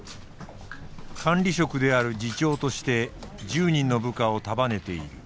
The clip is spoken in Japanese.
管理職である次長として１０人の部下を束ねている。